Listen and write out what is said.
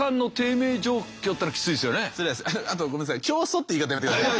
教祖って言い方やめてください。